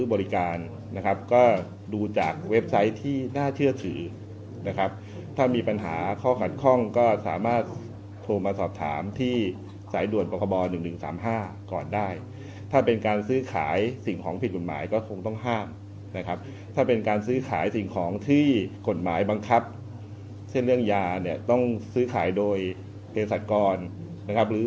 บริการนะครับก็ดูจากเว็บไซต์ที่น่าเชื่อถือนะครับถ้ามีปัญหาข้อขัดข้องก็สามารถโทรมาสอบถามที่สายด่วนปคบ๑๑๓๕ก่อนได้ถ้าเป็นการซื้อขายสิ่งของผิดกฎหมายก็คงต้องห้ามนะครับถ้าเป็นการซื้อขายสิ่งของที่กฎหมายบังคับเช่นเรื่องยาเนี่ยต้องซื้อขายโดยเพศรัชกรนะครับหรือ